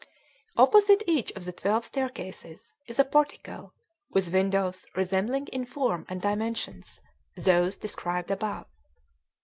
Opposite each of the twelve staircases is a portico with windows resembling in form and dimensions those described above.